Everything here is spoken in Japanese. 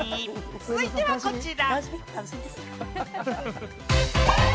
続いてはこちら。